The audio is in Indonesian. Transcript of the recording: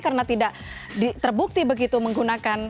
karena tidak terbukti begitu menggunakan